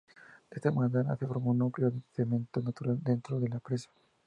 De esta manera se formó un núcleo de cemento natural dentro de la presa.